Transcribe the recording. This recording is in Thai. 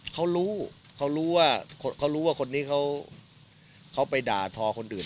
เขารู้เขารู้ว่าเขารู้ว่าคนนี้เขาไปด่าทอคนอื่น